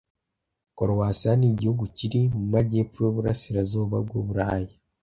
Korowasiya ni igihugu kiri mu majyepfo y'uburasirazuba bw'Uburayi.